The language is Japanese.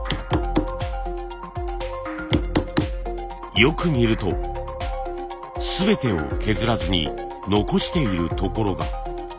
よく見ると全てを削らずに残している所が。